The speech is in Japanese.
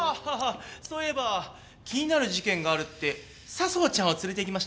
そういえば気になる事件があるって佐相ちゃんを連れていきました。